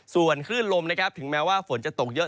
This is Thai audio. ส่วนคลื่นลมนะครับถึงแม้ว่าฝนจะตกเยอะ